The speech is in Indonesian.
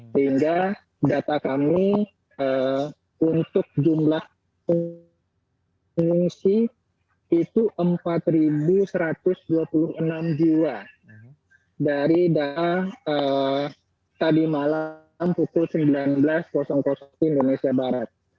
sehingga data kami untuk jumlah pengungsi itu empat satu ratus dua puluh enam jiwa dari tadi malam pukul sembilan belas indonesia barat